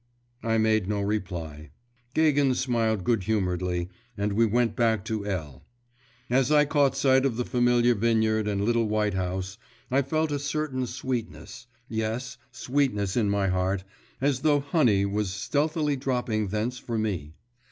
I made no reply. Gagin smiled good humouredly, and we went back to L. As I caught sight of the familiar vineyard and little white house, I felt a certain sweetness yes, sweetness in my heart, as though honey was stealthily dropping thence for me.